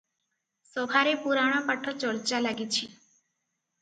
ସଭାରେ ପୁରାଣପାଠ ଚର୍ଚ୍ଚା ଲାଗିଛି ।